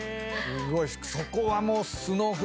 すごい。